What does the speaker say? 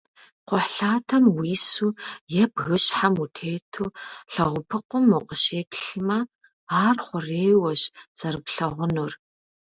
Кхъухьлъатэм уису е бгыщхьэм утету лэгъупыкъум укъыщеплъмэ, ар хъурейуэщ зэрыплъэгъунур.